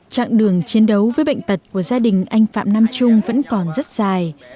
trạng đường chiến đấu với bệnh tật của gia đình anh phạm nam trung vẫn còn rất dài